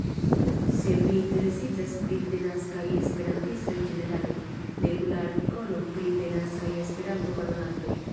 Se vi interesiĝas pri denaskaj Esperantistoj ĝenerale, legu la artikolon pri denaskaj Esperanto-parolantoj.